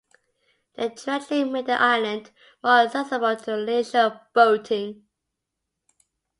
The dredging made the island more accessible to leisure boating.